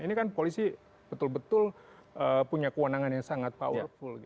ini kan polisi betul betul punya kewenangan yang sangat powerful